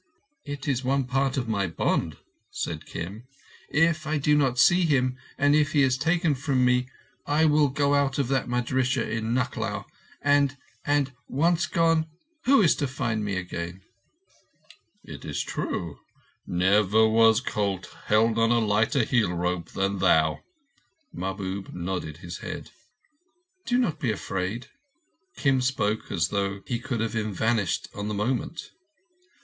"It is one part of my bond," said Kim. "If I do not see him, and if he is taken from me, I will go out of that madrissah in Nucklao and, and—once gone, who is to find me again?" "It is true. Never was colt held on a lighter heel rope than thou." Mahbub nodded his head. "Do not be afraid." Kim spoke as though he could have vanished on the moment.